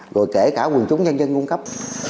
rồi kể cả quần chúng dân dân cung cấp